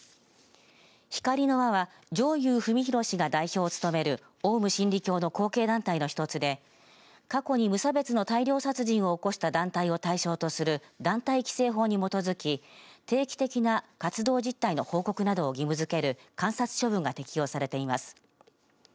ひかりの輪は上祐史浩氏が代表を務めるオウム真理教の後継団体の一つで過去に無差別の大量殺人を起こした団体を対象とする団体規制法に基づき定期的な活動実態の報告などを義務づける観察処分が適用されています。